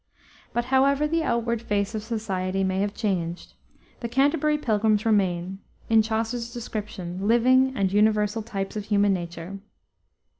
But however the outward face of society may have changed, the Canterbury pilgrims remain, in Chaucer's description, living and universal types of human nature.